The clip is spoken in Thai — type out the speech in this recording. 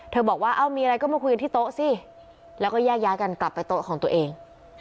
บอกว่าเอ้ามีอะไรก็มาคุยกันที่โต๊ะสิแล้วก็แยกย้ายกันกลับไปโต๊ะของตัวเอง